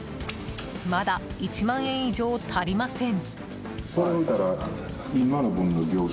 まだ１万円以上足りません。